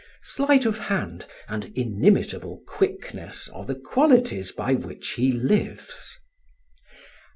Sleight of hand and inimitable quickness are the qualities by which he lives.